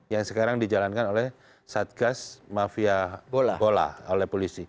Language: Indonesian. yang sekarang dijalankan oleh satgas mafia bola oleh polisi